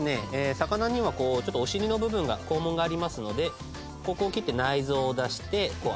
魚にはちょっとお尻の部分が肛門がありますのでここを切って内臓を出して洗っていきます。